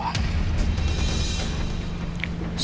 saya yang ikut bapak dari awal